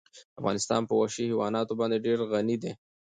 افغانستان په وحشي حیواناتو باندې ډېر غني دی.